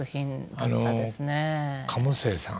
あの鴨清さん